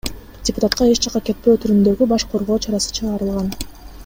Депутатка эч жакка кетпөө түрүндөгү баш коргоо чарасы чыгарылган.